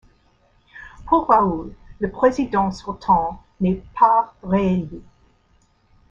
Paul Raoult, le président sortant n'est pas réélu.